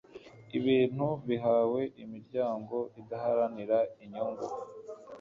Ibintu bihawe imiryango idaharanira inyungu